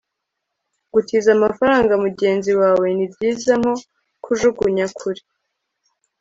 gutiza amafaranga mugenzi wawe nibyiza nko kujugunya kure